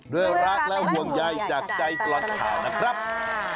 ด้วยรักและห่วงใยจากใจตลอดข่าวนะครับ